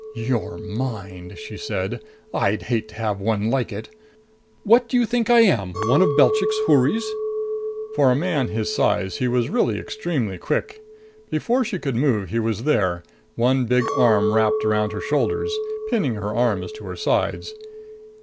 "Your mind!" she said. "I'd hate to have one like it. What do you think I am? One of Belchik's houris?" For a man his size, he was really extremely quick. Before she could move, he was there, one big arm wrapped about her shoulders, pinning her arms to her sides.